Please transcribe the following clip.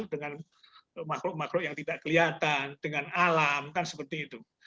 dengan kekuatan dengan alam kan seperti itu